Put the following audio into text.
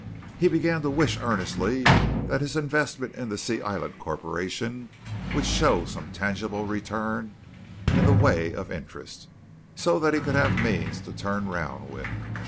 He began to wish earnestly that his investment in the Sea Island Corporation would show some tangible return in the way of interest, so that he could have means to turn round with.